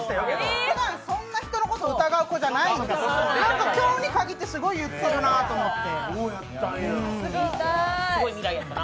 そんな人のこと疑う子じゃないったから、今日に限ってすごい言ってるなと思って。